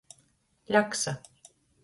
Ļaksa.